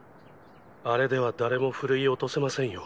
あれでは誰も振るい落せませんよ。